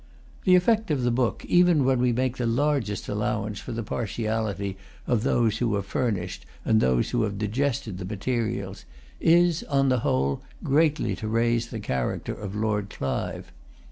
The effect of the book, even when we make the largest allowance for the partiality of those who have furnished and of those who have digested the materials, is, on the whole, greatly to raise the character of Lord Clive.